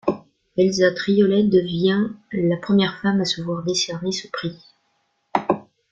Elsa Triolet devient la première femme à se voir décerner ce prix.